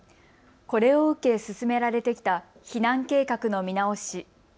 これを受け進められてきた避難計画の見直し。